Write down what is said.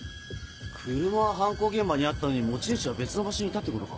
車は犯行現場にあったのに持ち主は別の場所にいたってことか。